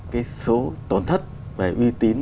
cái số tổn thất về uy tín